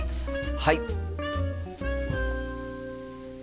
はい！